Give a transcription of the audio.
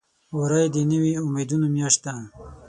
وری د نوي امیدونو میاشت ده.